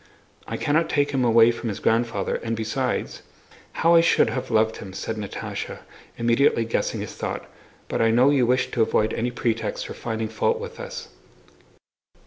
"I cannot take him away from his grandfather, and besides..." "How I should have loved him!" said Natásha, immediately guessing his thought; "but I know you wish to avoid any pretext for finding fault with us."